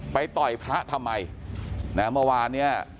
ต่อยพระทำไมนะเมื่อวานเนี่ย